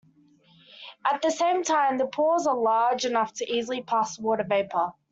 At the same time, the pores are large enough to easily pass water vapor.